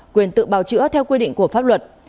quyền tự bào chữa theo quy định của pháp luật